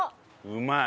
うまい。